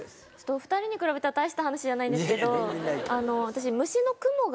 お２人に比べたら大した話じゃないんですけど。